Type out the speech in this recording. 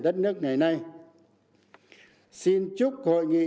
đất nước ngày nay xin chúc hội nghị